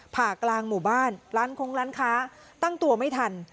ผ่ากลางหมู่บ้านร้านคงร้านค้าตั้งตัวไม่ทัน